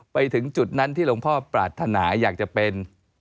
ไปถึงจุดนั้นที่หลวงพ่อปรารถนาอยากจะเป็น